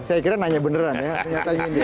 saya kira nanya beneran ya